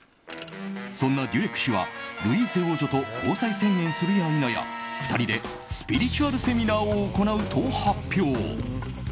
そんなデュレク氏はルイーセ王女と交際宣言するやいなや２人でスピリチュアルセミナーを行うと発表。